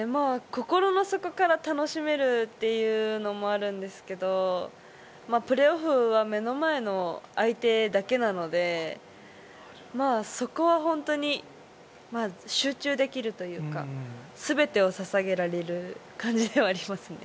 心の底から楽しめるっていうのもあるんですけど、プレーオフは目の前の相手だけなので、そこは本当に集中できるというか、全てをささげられる感じではありますね。